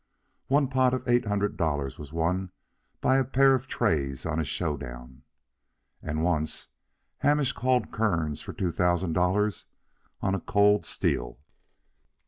One pot of eight hundred dollars was won by a pair of treys on a showdown. And once Harnish called Kearns for two thousand dollars on a cold steal.